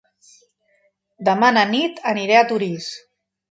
Demà na Nit anirà a Torís.